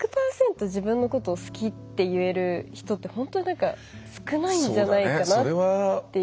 自分のことを好きって言える人って本当に少ないんじゃないかなって。